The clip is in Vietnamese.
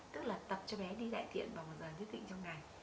tức là tập cho bé đi đại tiện vào một giờ nhất định trong ngày